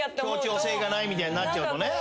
協調性がないみたいになっちゃうとね。